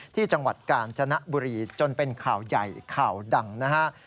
ที่จังหวัดกาญจนบุรีจนเป็นข่าวใหญ่ข่าวดังนะฮะ